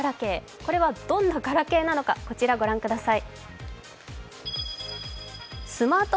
これはどんなガラケーなのか、こちら御覧ください。